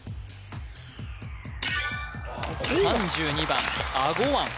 ３２番あごわん